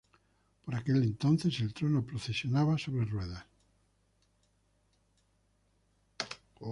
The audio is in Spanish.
Por aquel entonces el trono procesionaba sobre ruedas.